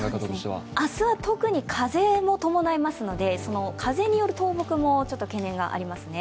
明日は特に風も伴いますので、風による倒木もちょっと懸念がありますね。